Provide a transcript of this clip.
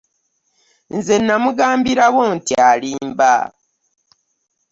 Nze namugambirawo nti alimba.